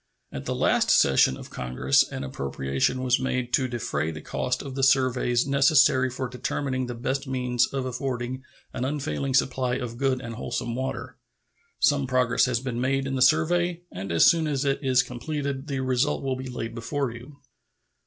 At the last session of Congress an appropriation was made to defray the cost of the surveys necessary for determining the best means of affording an unfailing supply of good and wholesome water. Some progress has been made in the survey, and as soon as it is completed the result will be laid before you.